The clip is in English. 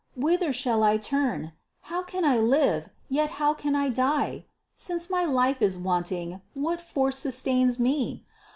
Whither shall I turn? How can I live, yet how can I die? Since my life is wanting, what force sustains me?